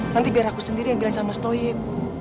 nanti biar aku sendiri ambilin sama mas toib